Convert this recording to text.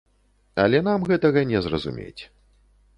Але нам гэтага не зразумець.